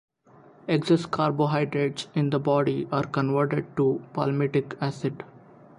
Excess carbohydrates in the body are converted to palmitic acid.